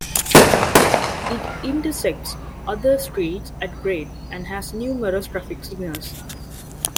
It intersects other streets at grade, and has numerous traffic signals.